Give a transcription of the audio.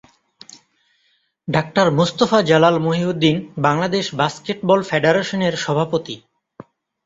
Doctor Mostafa Jalal Mohiuddin Bangladesh basketball ফেডারেশনের সভাপতি।